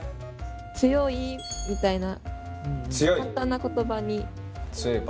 強いみたいな簡単な言葉に。